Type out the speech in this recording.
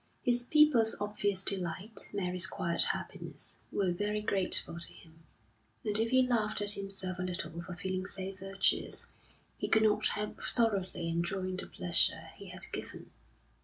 His people's obvious delight, Mary's quiet happiness, were very grateful to him, and if he laughed at himself a little for feeling so virtuous, he could not help thoroughly enjoying the pleasure he had given.